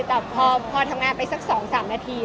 แต่พอทำงานไปสัก๒๓นาที